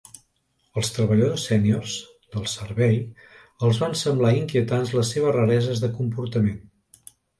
Als treballadors sèniors del Servei els van semblar inquietants les seves rareses de comportament.